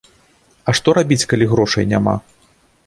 А што рабіць, калі грошай няма?